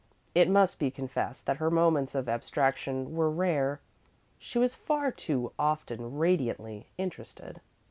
It must be confessed that her moments of abstraction were rare; she was far too often radiantly interested.